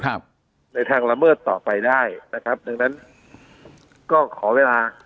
ครับในทางละเมิดต่อไปได้นะครับดังนั้นก็ขอเวลา